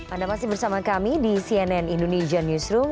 anda masih bersama kami di cnn indonesia newsroom